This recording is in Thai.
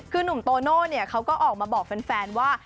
คือหนุ่มโตโน่เขาก็ออกมาบอกแฟนว่า